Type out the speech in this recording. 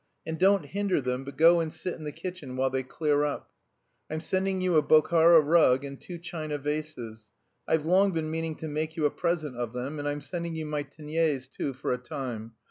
And don't hinder them, but go and sit in the kitchen while they clear up. I'm sending you a Bokhara rug and two china vases. I've long been meaning to make you a present of them, and I'm sending you my Teniers, too, for a time!